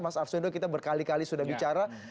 mas arswendo kita berkali kali sudah bicara